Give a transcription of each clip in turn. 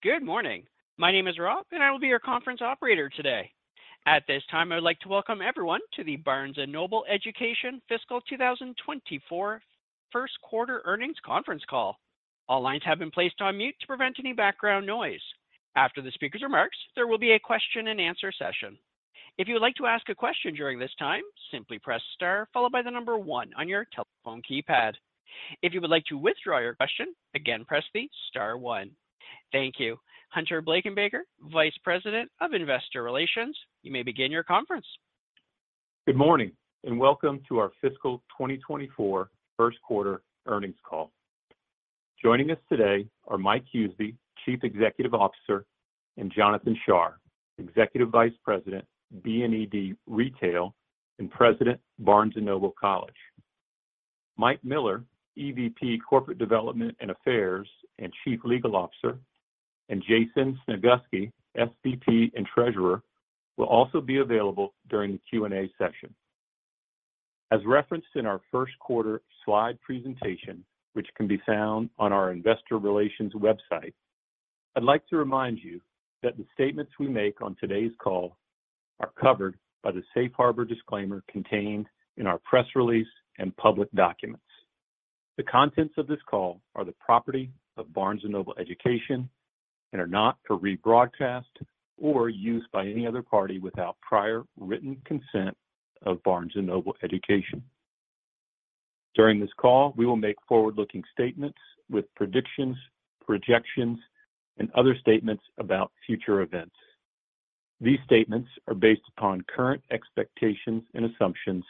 Good morning. My name is Rob, and I will be your conference operator today. At this time, I would like to welcome everyone to the Barnes & Noble Education Fiscal 2024 first quarter earnings conference call. All lines have been placed on mute to prevent any background noise. After the speaker's remarks, there will be a question-and-answer session. If you would like to ask a question during this time, simply press Star followed by the number one on your telephone keypad. If you would like to withdraw your question, again, press the Star one. Thank you. Hunter Blankenbaker, Vice President of Investor Relations, you may begin your conference. Good morning, and welcome to our fiscal 2024 first quarter earnings call. Joining us today are Mike Huseby, Chief Executive Officer, and Jonathan Shar, Executive Vice President, BNED Retail, and President, Barnes & Noble College. Mike Miller, EVP Corporate Development and Affairs and Chief Legal Officer, and Jason Snagusky, SVP and Treasurer, will also be available during the Q&A session. As referenced in our first quarter slide presentation, which can be found on our investor relations website, I'd like to remind you that the statements we make on today's call are covered by the Safe Harbor disclaimer contained in our press release and public documents. The contents of this call are the property of Barnes & Noble Education and are not for rebroadcast or use by any other party without prior written consent of Barnes & Noble Education. During this call, we will make forward-looking statements with predictions, projections, and other statements about future events. These statements are based upon current expectations and assumptions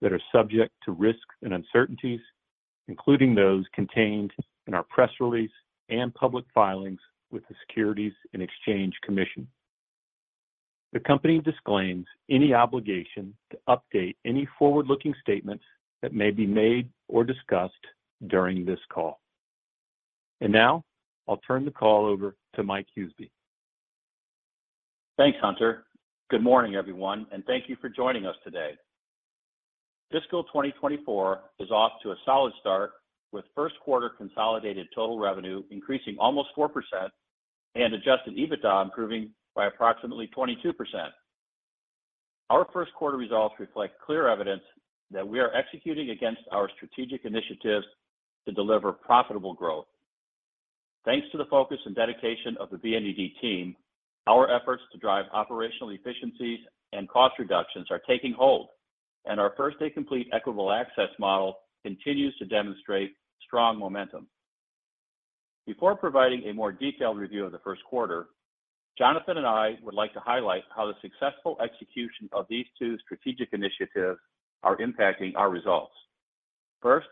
that are subject to risks and uncertainties, including those contained in our press release and public filings with the Securities and Exchange Commission. The company disclaims any obligation to update any forward-looking statements that may be made or discussed during this call. Now, I'll turn the call over to Mike Huseby. Thanks, Hunter. Good morning, everyone, and thank you for joining us today. Fiscal 2024 is off to a solid start, with first quarter consolidated total revenue increasing almost 4% and Adjusted EBITDA improving by approximately 22%. Our first quarter results reflect clear evidence that we are executing against our strategic initiatives to deliver profitable growth. Thanks to the focus and dedication of the BNED team, our efforts to drive operational efficiencies and cost reductions are taking hold, and our First Day Complete Equitable Access model continues to demonstrate strong momentum. Before providing a more detailed review of the first quarter, Jonathan and I would like to highlight how the successful execution of these two strategic initiatives are impacting our results. First,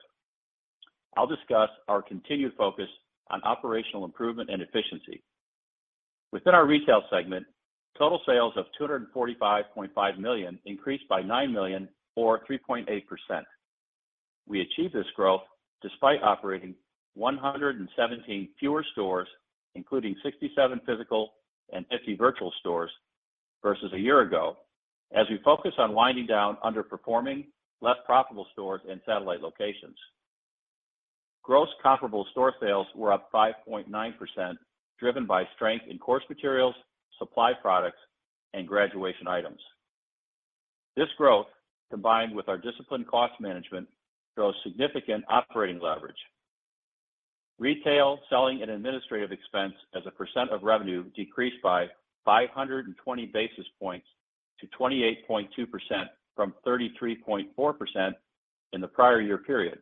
I'll discuss our continued focus on operational improvement and efficiency. Within our retail segment, total sales of $245.5 million increased by $9 million or 3.8%. We achieved this growth despite operating 117 fewer stores, including 67 physical and 50 virtual stores, versus a year ago, as we focus on winding down underperforming, less profitable stores and satellite locations. Gross comparable store sales were up 5.9%, driven by strength in course materials, supply products, and graduation items. This growth, combined with our disciplined cost management, drove significant operating leverage. Retail, selling, and administrative expense as a percent of revenue decreased by 520 basis points to 28.2% from 33.4% in the prior year period.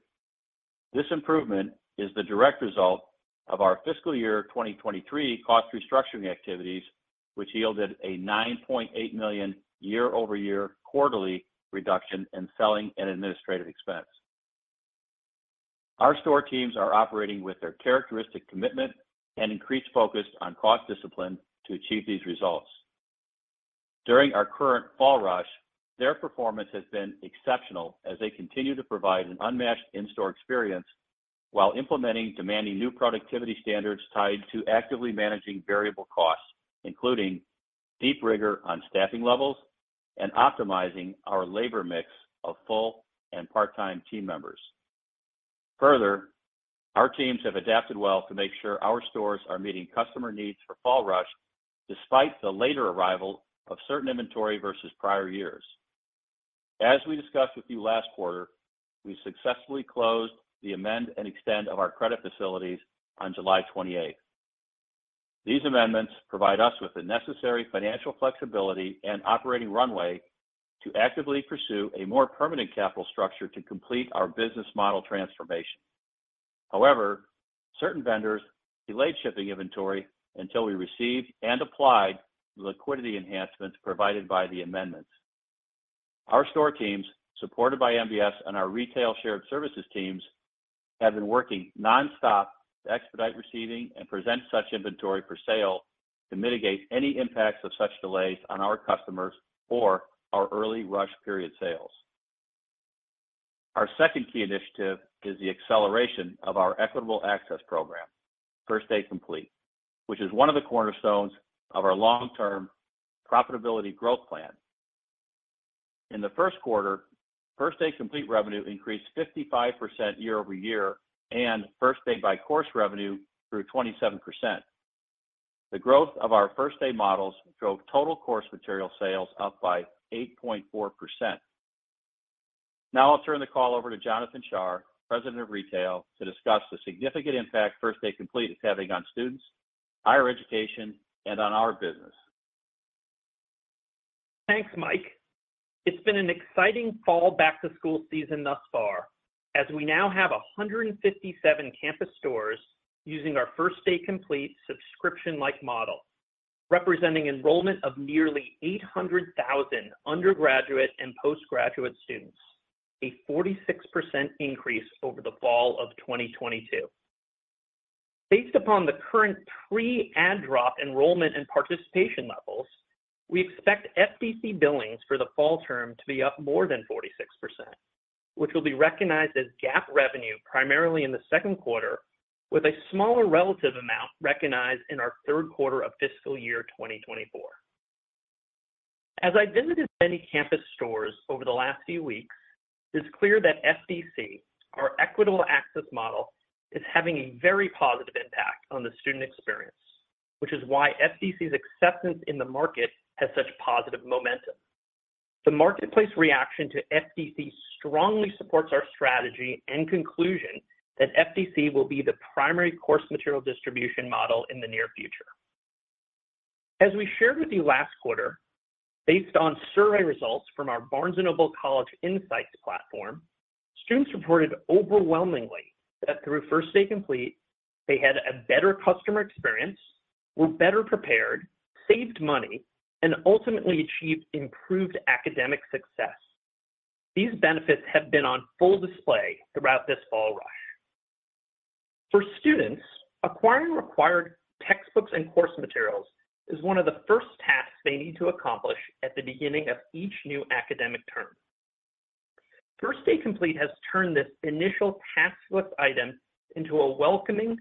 This improvement is the direct result of our fiscal year 2023 cost restructuring activities, which yielded a $9.8 million year-over-year quarterly reduction in selling and administrative expense. Our store teams are operating with their characteristic commitment and increased focus on cost discipline to achieve these results. During our current Fall Rush, their performance has been exceptional as they continue to provide an unmatched in-store experience while implementing demanding new productivity standards tied to actively managing variable costs, including deep rigor on staffing levels and optimizing our labor mix of full- and part-time team members. Further, our teams have adapted well to make sure our stores are meeting customer needs for Fall Rush, despite the later arrival of certain inventory versus prior years. As we discussed with you last quarter, we successfully closed the amend and extend of our credit facilities on July 28. These amendments provide us with the necessary financial flexibility and operating runway to actively pursue a more permanent capital structure to complete our business model transformation. However, certain vendors delayed shipping inventory until we received and applied the liquidity enhancements provided by the amendments. Our store teams, supported by MBS and our retail shared services teams, have been working nonstop to expedite receiving and present such inventory for sale to mitigate any impacts of such delays on our customers or our early rush period sales. Our second key initiative is the acceleration of our Equitable Access program, First Day Complete, which is one of the cornerstones of our long-term profitability growth plan. In the first quarter, First Day Complete revenue increased 55% year-over-year, and First Day by course revenue grew 27%. The growth of our First Day models drove total course material sales up by 8.4%. Now, I'll turn the call over to Jonathan Shar, President of Retail, to discuss the significant impact First Day Complete is having on students, higher education, and on our business. Thanks, Mike. It's been an exciting fall back-to-school season thus far, as we now have 157 campus stores using our First Day Complete subscription-like model, representing enrollment of nearly 800,000 undergraduate and postgraduate students, a 46% increase over the fall of 2022. Based upon the current pre-add/drop enrollment and participation levels, we expect FDC billings for the fall term to be up more than 46%, which will be recognized as GAAP revenue primarily in the second quarter, with a smaller relative amount recognized in our third quarter of fiscal year 2024. As I visited many campus stores over the last few weeks, it's clear that FDC, our Equitable Access model, is having a very positive impact on the student experience, which is why FDC's acceptance in the market has such positive momentum. The marketplace reaction to FDC strongly supports our strategy and conclusion that FDC will be the primary course material distribution model in the near future. As we shared with you last quarter, based on survey results from our Barnes & Noble College Insights platform, students reported overwhelmingly that through First Day Complete, they had a better customer experience, were better prepared, saved money, and ultimately achieved improved academic success. These benefits have been on full display throughout this Fall Rush. For students, acquiring required textbooks and course materials is one of the first tasks they need to accomplish at the beginning of each new academic term. First Day Complete has turned this initial task list item into a welcoming,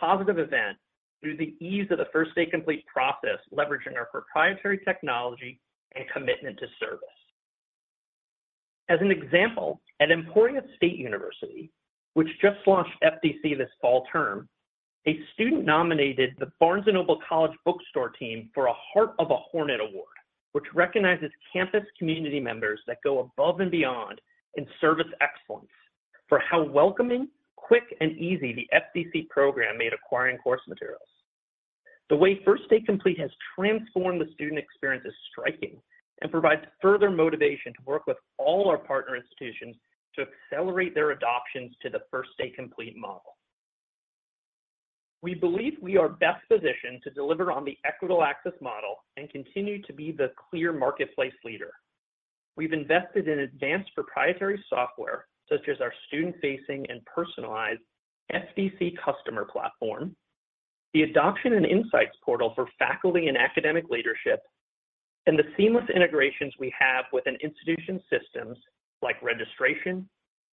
positive event through the ease of the First Day Complete process, leveraging our proprietary technology and commitment to service. As an example, at Emporia State University, which just launched FDC this fall term, a student nominated the Barnes & Noble College Bookstore team for a Heart of a Hornet Award, which recognizes campus community members that go above and beyond in service excellence, for how welcoming, quick, and easy the FDC program made acquiring course materials. The way First Day Complete has transformed the student experience is striking and provides further motivation to work with all our partner institutions to accelerate their adoptions to the First Day Complete model. We believe we are best positioned to deliver on the Equitable Access model and continue to be the clear marketplace leader. We've invested in advanced proprietary software, such as our student-facing and personalized FDC customer platform, the Adoption & Insights Portal for faculty and academic leadership, and the seamless integrations we have with an institution's systems like registration,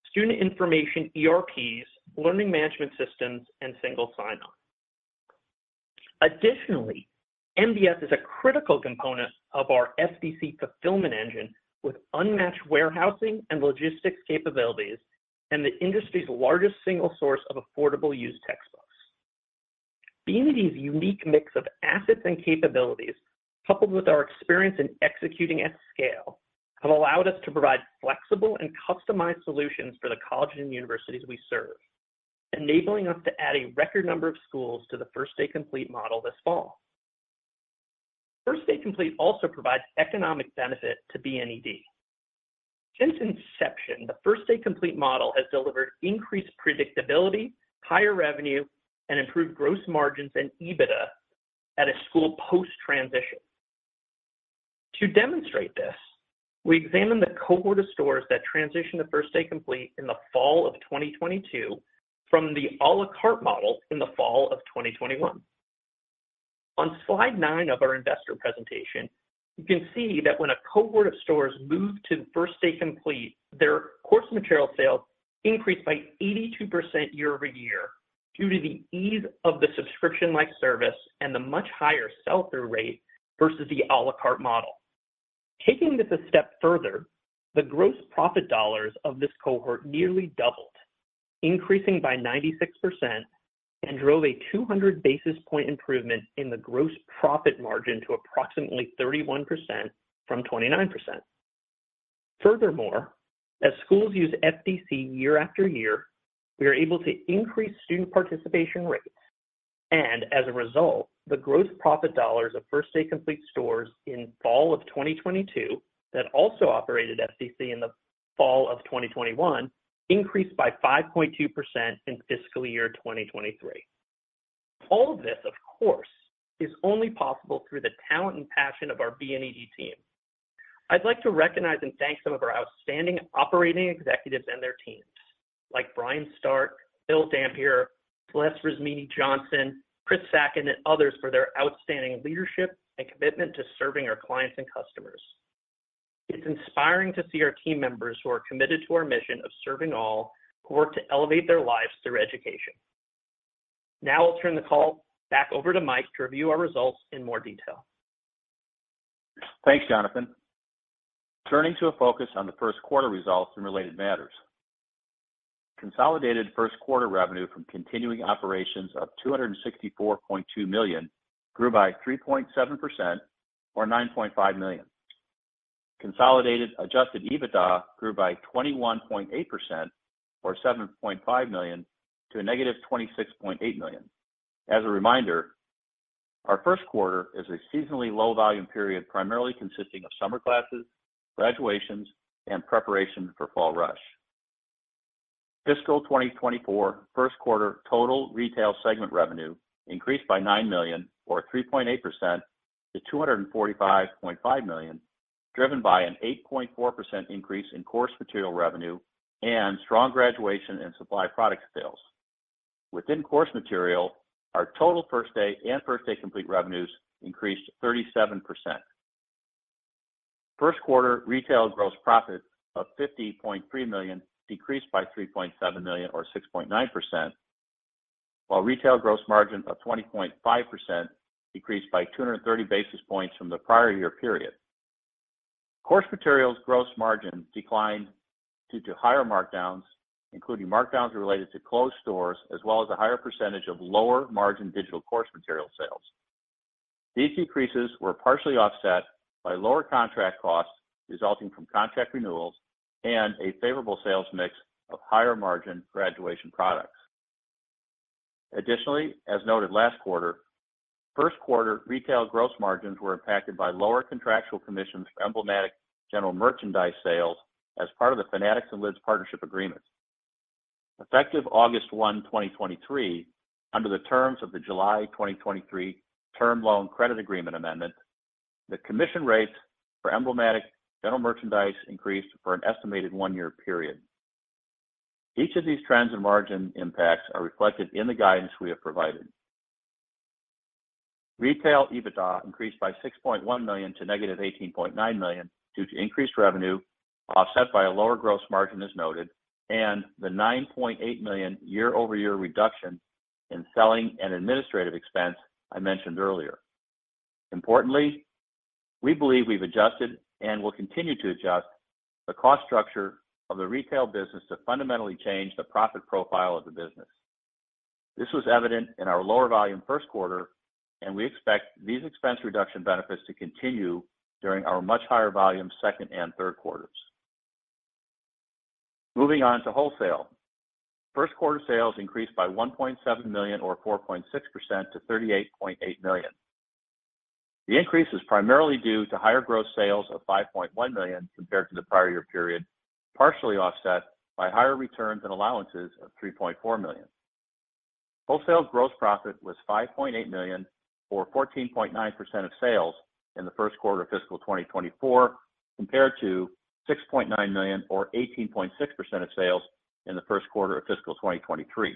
student information, ERPs, learning management systems, and single sign-on. Additionally, MBS is a critical component of our FDC fulfillment engine, with unmatched warehousing and logistics capabilities, and the industry's largest single source of affordable used textbooks. BNED's unique mix of assets and capabilities, coupled with our experience in executing at scale, have allowed us to provide flexible and customized solutions for the colleges and universities we serve, enabling us to add a record number of schools to the First Day Complete model this fall. First Day Complete also provides economic benefit to BNED. Since inception, the First Day Complete model has delivered increased predictability, higher revenue, and improved gross margins and EBITDA at a school post-transition. To demonstrate this, we examined the cohort of stores that transitioned to First Day Complete in the fall of 2022 from the a la carte model in the fall of 2021. On slide nine of our investor presentation, you can see that when a cohort of stores moved to First Day Complete, their course material sales increased by 82% year-over-year due to the ease of the subscription-like service and the much higher sell-through rate versus the a la carte model. Taking this a step further, the gross profit dollars of this cohort nearly doubled, increasing by 96% and drove a 200 basis point improvement in the gross profit margin to approximately 31% from 29%. Furthermore, as schools use FDC year after year, we are able to increase student participation rates, and as a result, the gross profit dollars of First Day Complete stores in fall of 2022, that also operated FDC in the fall of 2021, increased by 5.2% in fiscal year 2023. All of this, of course, is only possible through the talent and passion of our BNED team. I'd like to recognize and thank some of our outstanding operating executives and their teams, like Brian Stark, Bill Dampier, Celeste Risimini-Johnson, Chris Sackin, and others for their outstanding leadership and commitment to serving our clients and customers. It's inspiring to see our team members who are committed to our mission of serving all, who work to elevate their lives through education. Now I'll turn the call back over to Mike to review our results in more detail. Thanks, Jonathan. Turning to a focus on the first quarter results and related matters. Consolidated first quarter revenue from continuing operations of $264.2 million grew by 3.7%, or $9.5 million. Consolidated Adjusted EBITDA grew by 21.8%, or $7.5 million, to -$26.8 million. As a reminder, our first quarter is a seasonally low volume period, primarily consisting of summer classes, graduations, and preparation for Fall Rush. Fiscal 2024 first quarter total retail segment revenue increased by $9 million, or 3.8% to $245.5 million, driven by an 8.4% increase in course material revenue and strong graduation and supply product sales. Within course material, our total First Day and First Day Complete revenues increased 37%. First quarter retail gross profit of $50.3 million decreased by $3.7 million, or 6.9%, while retail gross margin of 20.5% decreased by 230 basis points from the prior year period. Course materials gross margin declined due to higher markdowns, including markdowns related to closed stores, as well as a higher percentage of lower margin digital course material sales. These decreases were partially offset by lower contract costs resulting from contract renewals and a favorable sales mix of higher margin graduation products. Additionally, as noted last quarter, first quarter retail gross margins were impacted by lower contractual commissions for emblematic general merchandise sales as part of the Fanatics and Lids partnership agreement. Effective August 1, 2023, under the terms of the July 2023 term loan credit agreement amendment, the commission rates for emblematic general merchandise increased for an estimated one-year period. Each of these trends and margin impacts are reflected in the guidance we have provided. Retail EBITDA increased by $6.1 million to negative $18.9 million due to increased revenue, offset by a lower gross margin, as noted, and the $9.8 million year-over-year reduction in selling and administrative expense I mentioned earlier. Importantly, we believe we've adjusted and will continue to adjust the cost structure of the retail business to fundamentally change the profit profile of the business. This was evident in our lower volume first quarter, and we expect these expense reduction benefits to continue during our much higher volume second and third quarters. Moving on to wholesale. First quarter sales increased by $1.7 million or 4.6% to $38.8 million. The increase is primarily due to higher gross sales of $5.1 million compared to the prior year period, partially offset by higher returns and allowances of $3.4 million. Wholesale gross profit was $5.8 million, or 14.9% of sales in the first quarter of fiscal 2024, compared to $6.9 million, or 18.6% of sales in the first quarter of fiscal 2023.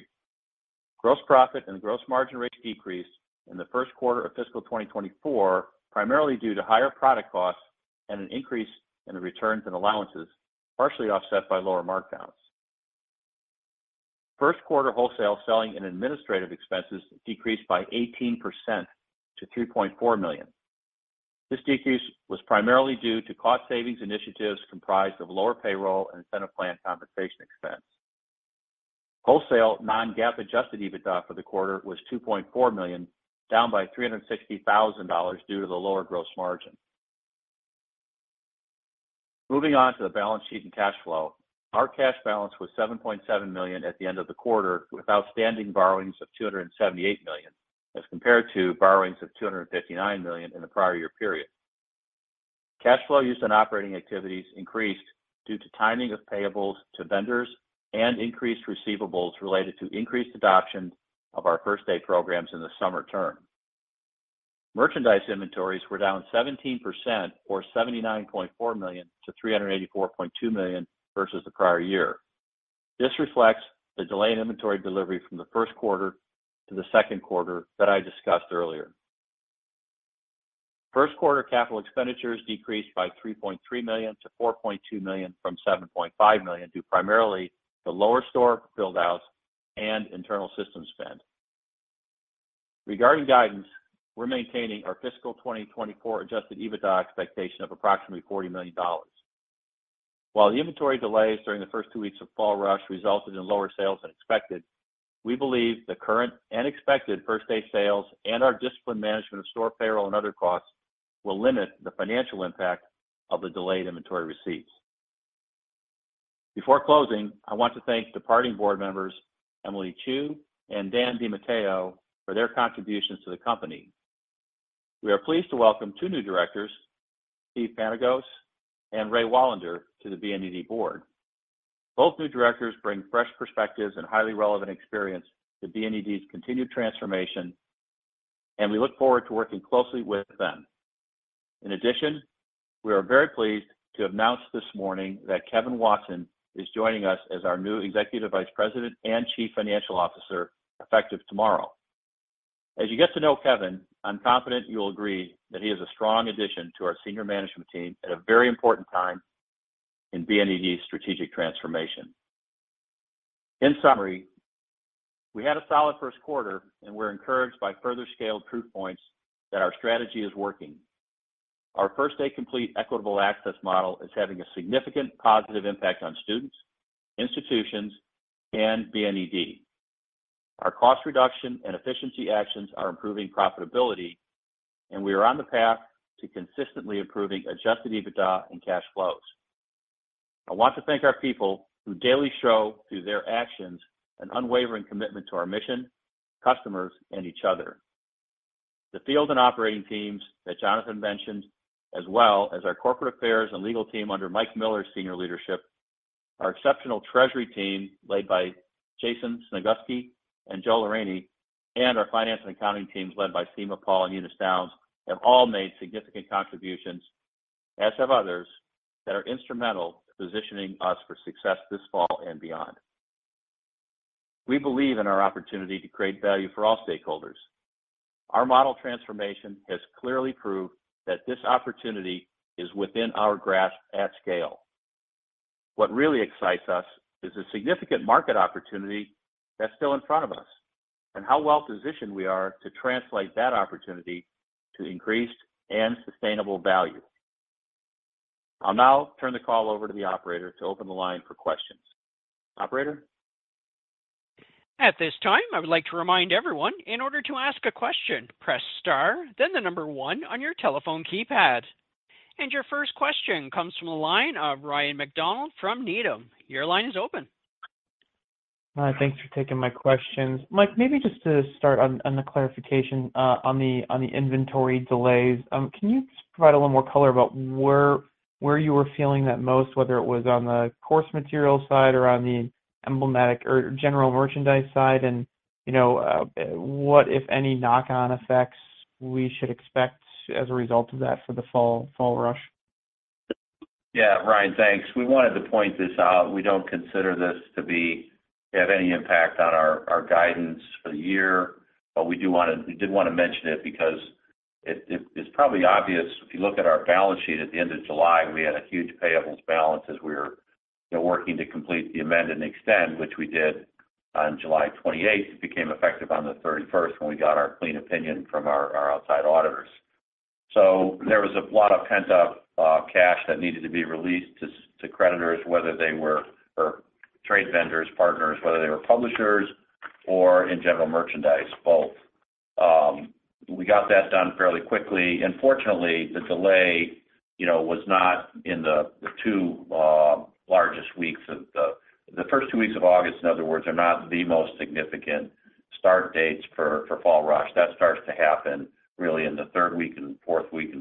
Gross profit and gross margin rate decreased in the first quarter of fiscal 2024, primarily due to higher product costs and an increase in the returns and allowances, partially offset by lower markdowns. First quarter wholesale selling and administrative expenses decreased by 18% to $2.4 million. This decrease was primarily due to cost savings initiatives comprised of lower payroll and incentive plan compensation expense. Wholesale non-GAAP Adjusted EBITDA for the quarter was $2.4 million, down by $360,000 due to the lower gross margin. Moving on to the balance sheet and cash flow. Our cash balance was $7.7 million at the end of the quarter, with outstanding borrowings of $278 million, as compared to borrowings of $259 million in the prior year period. Cash flow used in operating activities increased due to timing of payables to vendors and increased receivables related to increased adoption of our first day programs in the summer term. Merchandise inventories were down 17%, or $79.4 million to $384.2 million versus the prior year. This reflects the delayed inventory delivery from the first quarter to the second quarter that I discussed earlier. First quarter capital expenditures decreased by $3.3 million to $4.2 million from $7.5 million, due primarily to lower store buildouts and internal system spend. Regarding guidance, we're maintaining our fiscal 2024 Adjusted EBITDA expectation of approximately $40 million. While the inventory delays during the first two weeks of Fall Rush resulted in lower sales than expected, we believe the current and expected First Day sales and our disciplined management of store payroll and other costs will limit the financial impact of the delayed inventory receipts. Before closing, I want to thank departing board members, Emily Chiu and Dan DeMatteo, for their contributions to the company. We are pleased to welcome two new directors, Steven Panagos and Raphael Wallander, to the BNED board. Both new directors bring fresh perspectives and highly relevant experience to BNED's continued transformation, and we look forward to working closely with them. In addition, we are very pleased to announce this morning that Kevin Watson is joining us as our new Executive Vice President and Chief Financial Officer, effective tomorrow. As you get to know Kevin, I'm confident you will agree that he is a strong addition to our senior management team at a very important time in BNED's strategic transformation. In summary, we had a solid first quarter, and we're encouraged by further scaled proof points that our strategy is working. Our First Day Complete Equitable Access model is having a significant positive impact on students, institutions, and BNED. Our cost reduction and efficiency actions are improving profitability, and we are on the path to consistently improving Adjusted EBITDA and cash flows. I want to thank our people, who daily show through their actions, an unwavering commitment to our mission, customers, and each other. The field and operating teams that Jonathan mentioned, as well as our corporate affairs and legal team under Mike Miller's senior leadership, our exceptional treasury team, led by Jason Snagusky and Joel Loring, and our finance and accounting teams, led by Seema Paul and Eunice Downs, have all made significant contributions, as have others, that are instrumental to positioning us for success this fall and beyond. We believe in our opportunity to create value for all stakeholders. Our model transformation has clearly proved that this opportunity is within our grasp at scale. What really excites us is the significant market opportunity that's still in front of us, and how well-positioned we are to translate that opportunity to increased and sustainable value. I'll now turn the call over to the operator to open the line for questions. Operator? At this time, I would like to remind everyone, in order to ask a question, press star, then the number one on your telephone keypad. Your first question comes from the line of Ryan MacDonald from Needham. Your line is open. Hi, thanks for taking my questions. Mike, maybe just to start on, on the clarification on the, on the inventory delays. Can you just provide a little more color about where, where you were feeling that most, whether it was on the course material side or on the emblematic or general merchandise side? And, you know, what, if any, knock-on effects we should expect as a result of that for the Fall, Fall Rush? Yeah, Ryan, thanks. We wanted to point this out. We don't consider this to have any impact on our guidance for the year, but we did wanna mention it because it's probably obvious if you look at our balance sheet at the end of July, we had a huge payables balance as we were, you know, working to complete the amend and extend, which we did on July 28th. It became effective on the 31st, when we got our clean opinion from our outside auditors. So there was a lot of pent-up cash that needed to be released to creditors, whether they were trade vendors, partners, whether they were publishers or in general merchandise, both. We got that done fairly quickly. Fortunately, the delay, you know, was not in the two largest weeks of the first two weeks of August. In other words, they are not the most significant start dates for Fall Rush. That starts to happen really in the third week and fourth week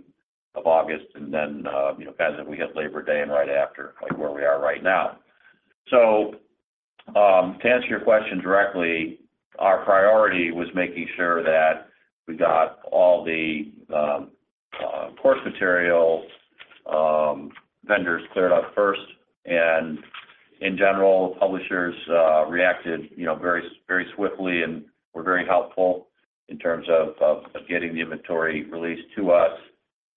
of August, and then, you know, kind of we hit Labor Day and right after, like, where we are right now. So, to answer your question directly, our priority was making sure that we got all the course material vendors cleared up first. And in general, publishers reacted, you know, very, very swiftly and were very helpful in terms of getting the inventory released to us.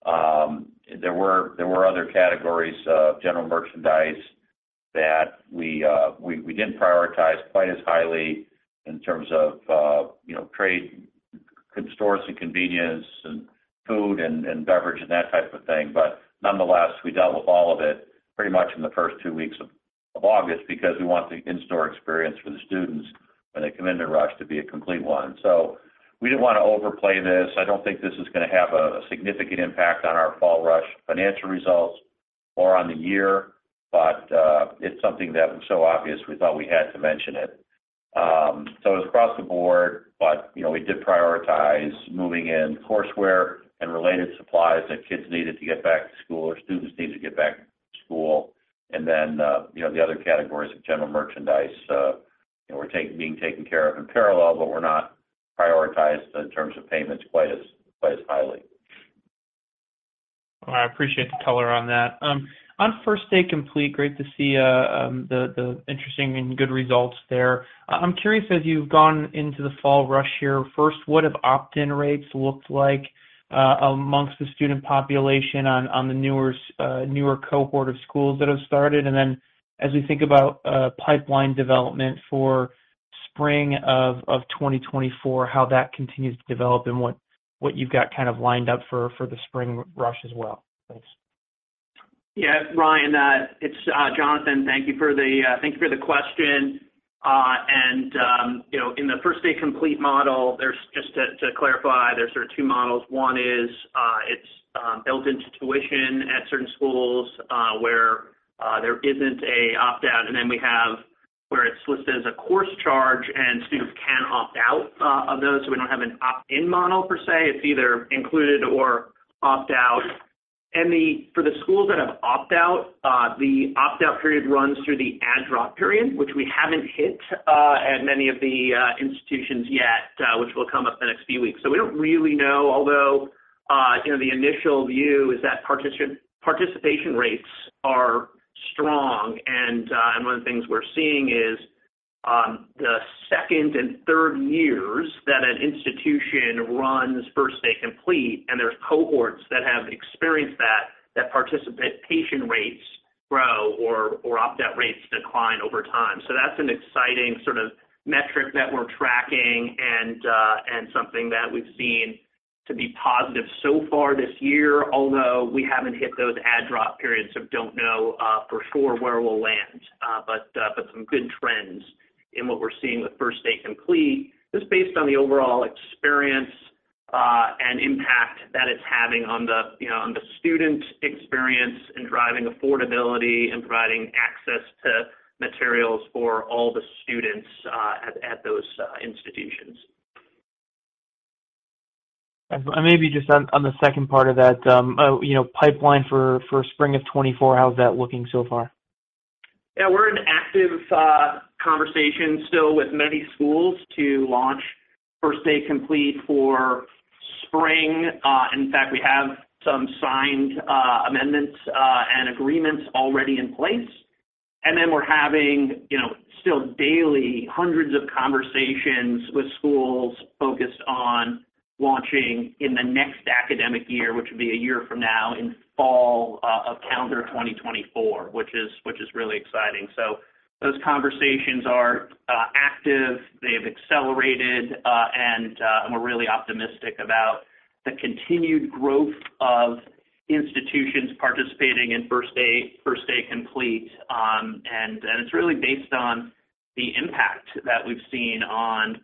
There were other categories of general merchandise that we didn't prioritize quite as highly in terms of, you know, trade stores and convenience and food and beverage and that type of thing. But nonetheless, we dealt with all of it pretty much in the first two weeks of August because we want the in-store experience for the students when they come in to rush to be a complete one. So we didn't want to overplay this. I don't think this is gonna have a significant impact on our Fall Rush financial results or on the year, but it's something that was so obvious we thought we had to mention it. So it was across the board, but, you know, we did prioritize moving in courseware and related supplies that kids needed to get back to school or students needed to get back to school. And then, you know, the other categories of general merchandise, you know, were being taken care of in parallel, but were not prioritized in terms of payments quite as, quite as highly. I appreciate the color on that. On First Day Complete, great to see the interesting and good results there. I'm curious, as you've gone into the Fall Rush here, first, what have opt-in rates looked like amongst the student population on the newer cohort of schools that have started? And then as we think about pipeline development for spring of 2024, how that continues to develop and what you've got kind of lined up for the spring rush as well? Thanks. Yeah, Ryan, it's Jonathan. Thank you for the question. And, you know, in the First Day Complete model, there's just to clarify, there's sort of two models. One is, it's built into tuition at certain schools, where there isn't an opt-out. And then we have where it's listed as a course charge and students can opt out of those. So we don't have an opt-in model per se. It's either included or opt-out. And for the schools that have opt-out, the opt-out period runs through the add-drop period, which we haven't hit at many of the institutions yet, which will come up in the next few weeks. So we don't really know, although, you know, the initial view is that participation rates are strong. And one of the things we're seeing is, the second and third years that an institution runs First Day Complete, and there's cohorts that have experienced that, that participation rates grow or opt-out rates decline over time. So that's an exciting sort of metric that we're tracking and something that we've seen to be positive so far this year, although we haven't hit those add/drop periods, so don't know for sure where we'll land. But some good trends in what we're seeing with First Day Complete, just based on the overall experience and impact that it's having on the, you know, on the student experience, in driving affordability and providing access to materials for all the students at those institutions. Maybe just on the second part of that, you know, pipeline for spring of 2024, how's that looking so far? Yeah, we're in active, conversations still with many schools to launch First Day Complete for spring. In fact, we have some signed, amendments, and agreements already in place. And then we're having, you know, still daily, hundreds of conversations with schools focused on launching in the next academic year, which would be a year from now in fall, of calendar 2024, which is, which is really exciting. So those conversations are, active, they've accelerated, and, and we're really optimistic about the continued growth of institutions participating in First Day, First Day Complete. And, it's really based on the impact that we've seen on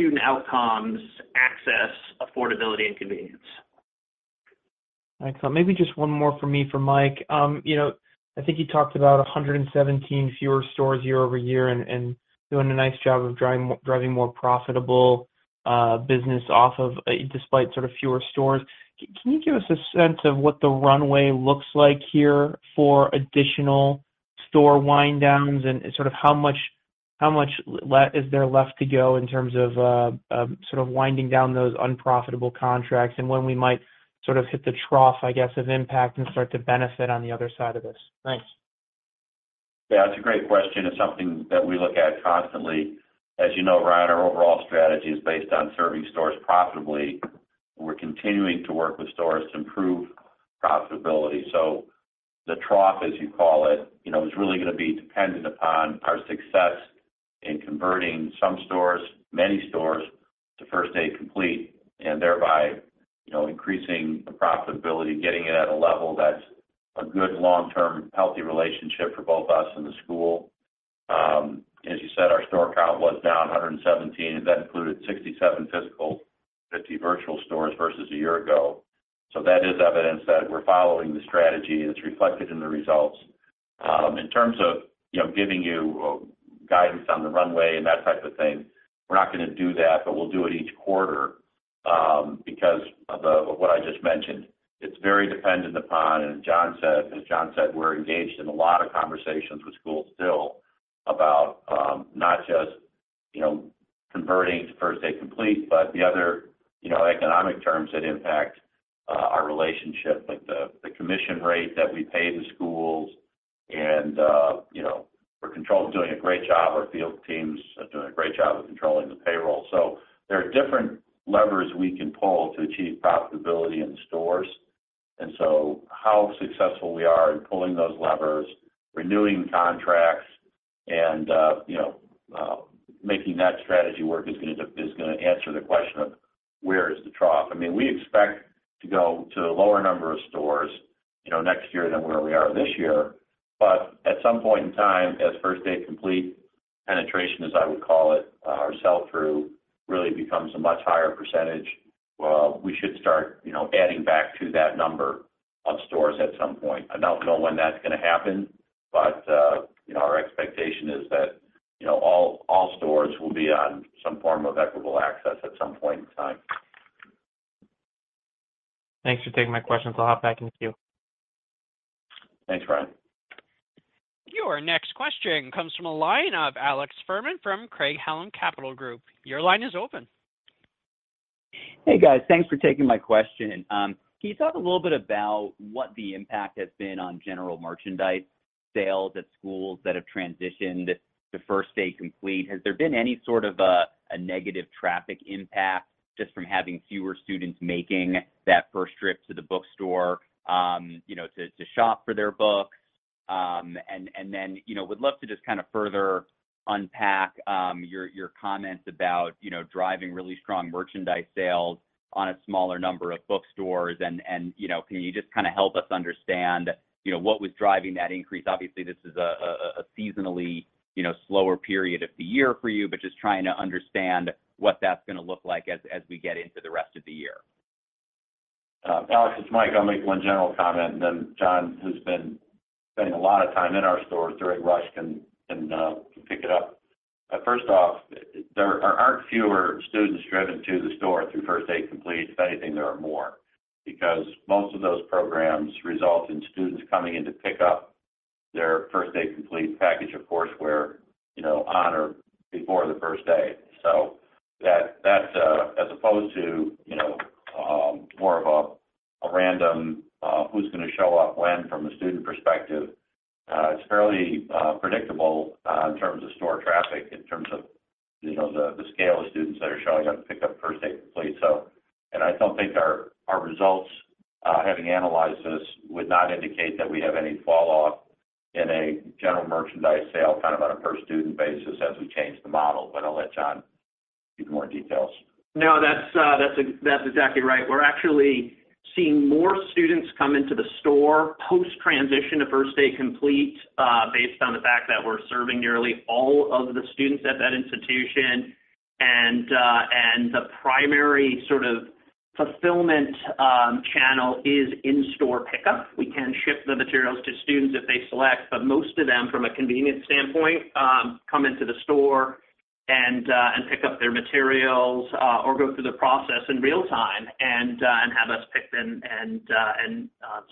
student outcomes, access, affordability, and convenience. All right. So maybe just one more from me for Mike. You know, I think you talked about 117 fewer stores year-over-year and doing a nice job of driving more profitable business off of despite sort of fewer stores. Can you give us a sense of what the runway looks like here for additional store wind downs and sort of how much is there left to go in terms of sort of winding down those unprofitable contracts? And when we might sort of hit the trough, I guess, of impact and start to benefit on the other side of this? Thanks. Yeah, that's a great question, and something that we look at constantly. As you know, Ryan, our overall strategy is based on serving stores profitably. We're continuing to work with stores to improve profitability. So the trough, as you call it, you know, is really gonna be dependent upon our success in converting some stores, many stores, to First Day Complete, and thereby, you know, increasing the profitability, getting it at a level that's a good long-term, healthy relationship for both us and the school. As you said, our store count was down 117, and that included 67 physical, 50 virtual stores versus a year ago. So that is evidence that we're following the strategy, and it's reflected in the results. In terms of, you know, giving you guidance on the runway and that type of thing, we're not gonna do that, but we'll do it each quarter because of what I just mentioned. It's very dependent upon, and Jon said—as Jon said, we're engaged in a lot of conversations with schools still about, not just, you know, converting to First Day Complete, but the other, you know, economic terms that impact our relationship, like the commission rate that we pay the schools. And, you know, we're controlled and doing a great job. Our field teams are doing a great job of controlling the payroll. So there are different levers we can pull to achieve profitability in the stores. And so how successful we are in pulling those levers, renewing contracts, and, you know, making that strategy work is gonna answer the question of: Where is the trough? I mean, we expect to go to a lower number of stores, you know, next year than where we are this year. But at some point in time, as First Day Complete penetration, as I would call it, our sell-through, really becomes a much higher percentage, well, we should start, you know, adding back to that number of stores at some point. I don't know when that's gonna happen, but, you know, our expectation is that, you know, all stores will be on some form of Equitable Access at some point in time. Thanks for taking my questions. I'll hop back in the queue. Thanks, Ryan. Your next question comes from a line of Alex Fuhrman from Craig-Hallum Capital Group. Your line is open. Hey, guys. Thanks for taking my question. Can you talk a little bit about what the impact has been on general merchandise sales at schools that have transitioned to First Day Complete? Has there been any sort of a negative traffic impact just from having fewer students making that first trip to the bookstore, you know, to shop for their books? And then, you know, would love to just kind of further unpack your comments about, you know, driving really strong merchandise sales on a smaller number of bookstores and, you know, can you just kind of help us understand, you know, what was driving that increase? Obviously, this is a seasonally, you know, slower period of the year for you, but just trying to understand what that's gonna look like as we get into the rest of the year. Alex, it's Mike. I'll make one general comment, and then Jon, who's been spending a lot of time in our stores during rush, can, and, pick it up. First off, there aren't fewer students driving to the store through First Day Complete. If anything, there are more, because most of those programs result in students coming in to pick up their First Day Complete package of courseware... you know, on or before the first day. So that, that, as opposed to, you know, more of a, a random, who's gonna show up when, from a student perspective, it's fairly, predictable, in terms of store traffic, in terms of, you know, the, the scale of students that are showing up to pick up First Day Complete. I don't think our results, having analyzed this, would not indicate that we have any fall off in a general merchandise sale, kind of on a per-student basis as we change the model. But I'll let Jon give more details. No, that's exactly right. We're actually seeing more students come into the store post-transition to First Day Complete, based on the fact that we're serving nearly all of the students at that institution. The primary sort of fulfillment channel is in-store pickup. We can ship the materials to students if they select, but most of them, from a convenience standpoint, come into the store and pick up their materials, or go through the process in real time, and have us pick them and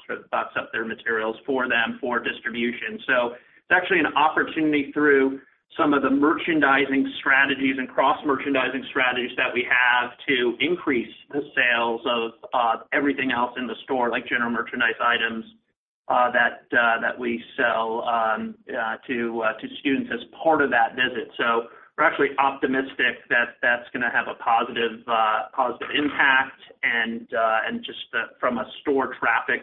sort of box up their materials for them for distribution. So it's actually an opportunity through some of the merchandising strategies and cross-merchandising strategies that we have to increase the sales of everything else in the store, like general merchandise items that we sell to students as part of that visit. So we're actually optimistic that that's gonna have a positive impact, and just from a store traffic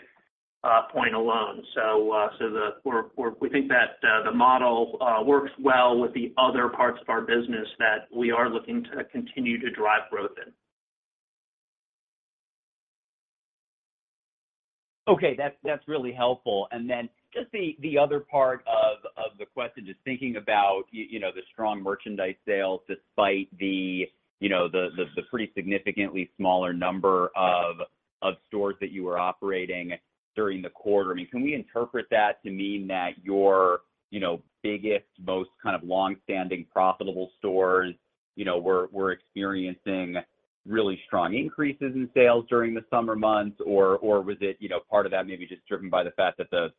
point alone. So we think that the model works well with the other parts of our business that we are looking to continue to drive growth in. Okay, that's really helpful. And then just the other part of the question, just thinking about you know, the strong merchandise sales despite the, you know, the pretty significantly smaller number of stores that you were operating during the quarter. I mean, can we interpret that to mean that your, you know, biggest, most kind of long-standing profitable stores, you know, were experiencing really strong increases in sales during the summer months? Or was it, you know, part of that maybe just driven by the fact that the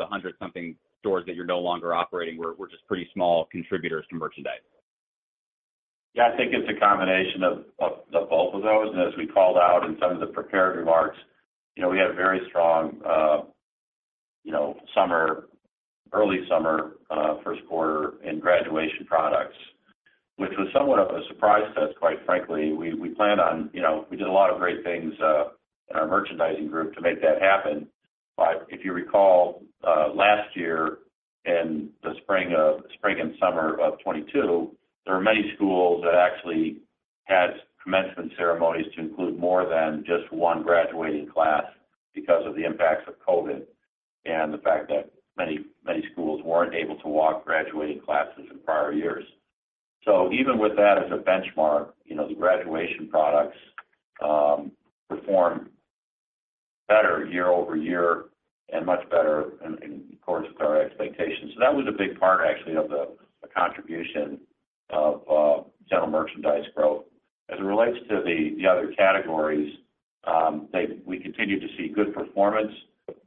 hundred something stores that you're no longer operating were just pretty small contributors to merchandise? Yeah, I think it's a combination of both of those. And as we called out in some of the prepared remarks, you know, we had a very strong summer, early summer, first quarter in graduation products, which was somewhat of a surprise to us, quite frankly. We planned on... You know, we did a lot of great things in our merchandising group to make that happen. But if you recall, last year, in the spring and summer of 2022, there were many schools that actually had commencement ceremonies to include more than just one graduating class because of the impacts of COVID and the fact that many, many schools weren't able to walk graduating classes in prior years. So even with that as a benchmark, you know, the graduation products performed better year over year and much better in accordance with our expectations. So that was a big part actually of the contribution of general merchandise growth. As it relates to the other categories, we continued to see good performance,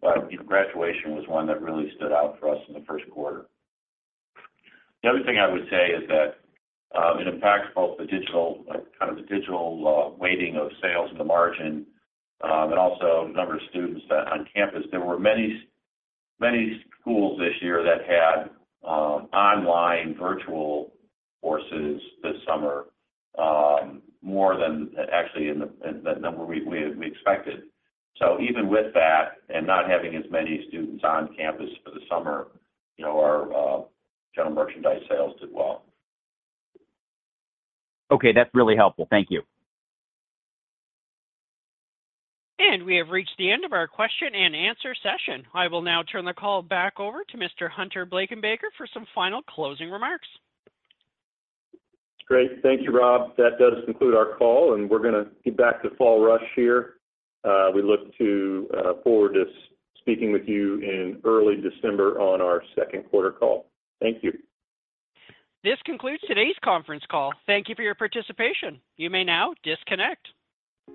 but, you know, graduation was one that really stood out for us in the first quarter. The other thing I would say is that it impacts both the digital weighting of sales and the margin and also the number of students that on campus. There were many, many schools this year that had online virtual courses this summer, more than actually in the number we expected. Even with that and not having as many students on campus for the summer, you know, our general merchandise sales did well. Okay, that's really helpful. Thank you. We have reached the end of our question and answer session. I will now turn the call back over to Mr. Hunter Blankenbaker for some final closing remarks. Great. Thank you, Rob. That does conclude our call, and we're gonna get back to Fall Rush here. We look forward to speaking with you in early December on our second quarter call. Thank you. This concludes today's conference call. Thank you for your participation. You may now disconnect.